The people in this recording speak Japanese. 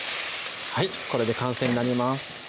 はいこれで完成になります